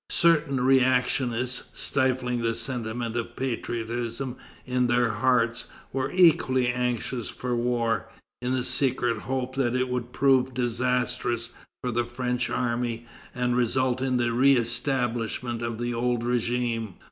Certain reactionists, stifling the sentiment of patriotism in their hearts, were equally anxious for war, in the secret hope that it would prove disastrous for the French army, and result in the re establishment of the old régime.